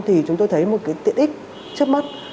thì chúng tôi thấy một tiện ích trước mắt